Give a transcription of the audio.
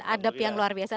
adab yang luar biasa